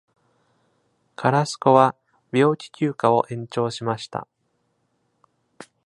カラスコは病気休暇を延長しました。